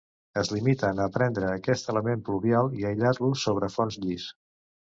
Es limiten a prendre aquest element pluvial i a aïllar-lo sobre fons llis.